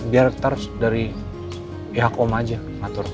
biar taruh dari pihak om aja ngatur ya